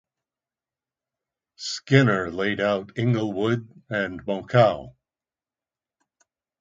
Skinner laid out Inglewood and Mokau.